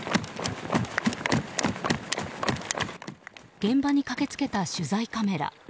現場に駆け付けた取材カメラ。